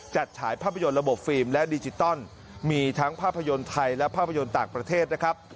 ฉายภาพยนตร์ระบบฟิล์มและดิจิตอลมีทั้งภาพยนตร์ไทยและภาพยนตร์ต่างประเทศนะครับ